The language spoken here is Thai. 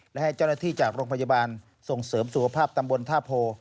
และให้เจ้าหน้าที่จากโรงพยาบาลส่งเสริมสุขภาพตำบลท่าโพ